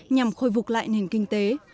nhằm khôi phục lại nền kinh tế